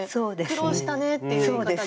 「苦労したね」っていう言い方で。